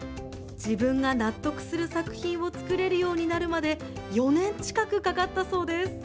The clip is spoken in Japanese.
自分が納得する作品を作れるようになるまで４年近くかかったそうです。